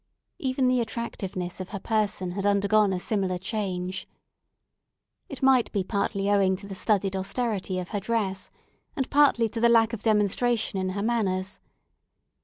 Even the attractiveness of her person had undergone a similar change. It might be partly owing to the studied austerity of her dress, and partly to the lack of demonstration in her manners.